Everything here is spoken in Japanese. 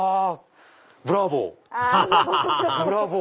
ブラボー！